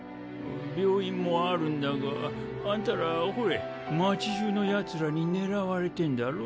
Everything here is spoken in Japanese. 病院もあるんだがあんたらほれ町じゅうのヤツらに狙われてんだろう？